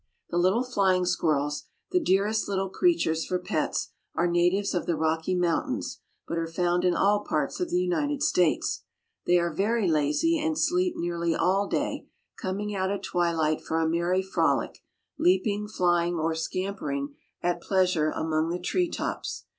The little flying squirrels, the dearest little creatures for pets, are natives of the Rocky Mountains, but are found in all parts of the United States. They are very lazy, and sleep nearly all day, coming out at twilight for a merry frolic, leaping, flying, or scampering at pleasure among the tree tops.